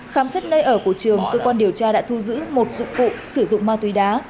khám xét nơi ở của trường cơ quan điều tra đã thu giữ một dụng cụ sử dụng ma túy đá